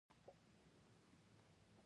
مېرمن نېکبخته یوه عارفه ښځه وه.